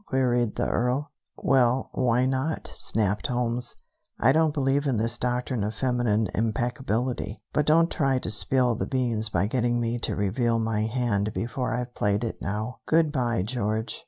queried the Earl. "Well, why not?" snapped Holmes. "I don't believe in this doctrine of feminine impeccability. But don't try to spill the beans by getting me to reveal my hand before I've played it now. Good by, George."